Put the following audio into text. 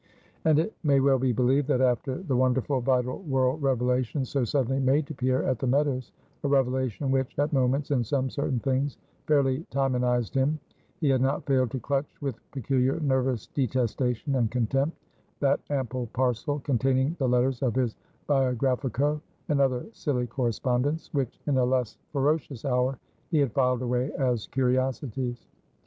And it may well be believed, that after the wonderful vital world revelation so suddenly made to Pierre at the Meadows a revelation which, at moments, in some certain things, fairly Timonized him he had not failed to clutch with peculiar nervous detestation and contempt that ample parcel, containing the letters of his Biographico and other silly correspondents, which, in a less ferocious hour, he had filed away as curiosities.